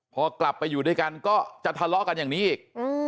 พอกลับไปอยู่ด้วยกันก็จะทะเลาะกันอย่างนี้อีก